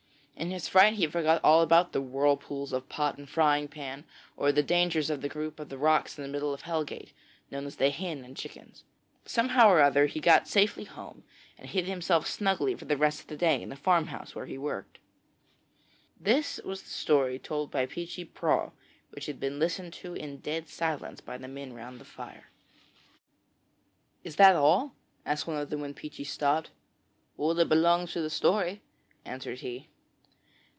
In his fright he forgot all about the whirlpools of Pot and Frying Pan, or the dangers of the group of rocks right in the middle of Hellgate, known as the Hen and Chickens. Somehow or other he got safely home, and hid himself snugly for the rest of the day in the farmhouse where he worked. This was the story told by Peechy Prauw, which had been listened to in dead silence by the men round the fire. 'Is that all?' asked one of them when Peechy stopped. 'All that belongs to the story,' answered he.